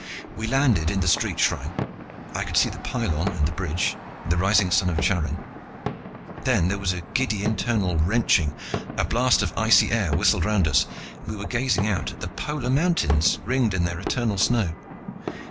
We landed in the street shrine. I could see the pylon and the bridge and the rising sun of Charin. Then there was the giddy internal wrenching, a blast of icy air whistled round us, and we were gazing out at the Polar mountains, ringed in their eternal snow.